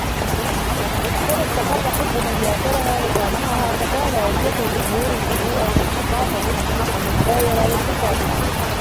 كَمَا اسْتَقَرَّ حُبُّ مَنْ يَاسَرَهَا وَسَامَحَهَا فَكَانَ أَلْيَقُ لِأُمُورِ الْمُرُوءَةِ اسْتِلْطَافَ النُّفُوسِ بِالْمُيَاسَرَةِ وَالْمُسَامَحَةِ